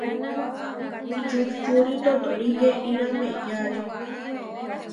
Čuhčúri totóri yeʼíra meʼyáre.